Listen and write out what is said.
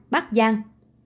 năm bắc giang